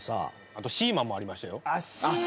あと『シーマン』もありましたよ。